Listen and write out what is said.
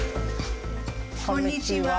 こんにちは。